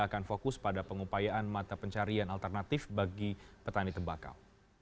akan fokus pada pengupayaan mata pencarian alternatif bagi petani tembakau